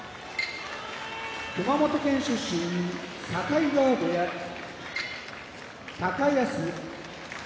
熊本県出身境川部屋高安